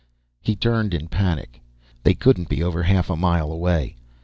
He turned in panic. They couldn't be over half a mile away.